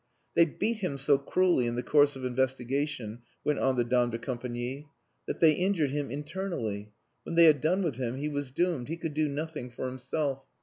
"They beat him so cruelly in the course of investigation," went on the dame de compagnie, "that they injured him internally. When they had done with him he was doomed. He could do nothing for himself.